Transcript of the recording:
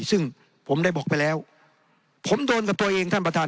ซึ่งผมได้บอกไปแล้วผมโดนกับตัวเองท่านประธาน